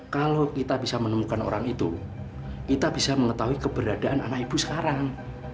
kalau kita bisa menemukan orang itu kita bisa mengetahui keberadaan anak ibu sekarang